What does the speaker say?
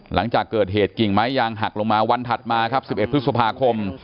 หลังจากเกิดเหตุกิ่งไม้ยางหักลงมาวันถัดมาครับ๑๑พฤษภาคม